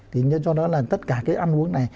thì nên cho nó là tất cả cái ăn uống này